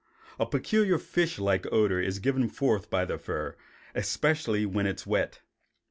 A peculiar fish like odor is given forth by the fur, especially when it is wet.